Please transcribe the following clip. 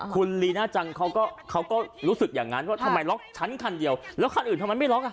คุณลีน่าจังเขาก็เขาก็รู้สึกอย่างนั้นว่าทำไมล็อกฉันคันเดียวแล้วคันอื่นทำไมไม่ล็อกอ่ะ